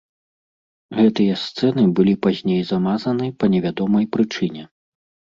Гэтыя сцэны былі пазней замазаны па невядомай прычыне.